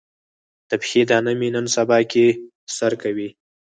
د پښې دانه مې نن سبا کې سر کوي.